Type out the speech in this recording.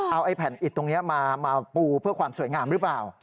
เอาไอ้แผ่นอิดตรงนี้มาปูเพื่อความสวยงามหรือเปล่า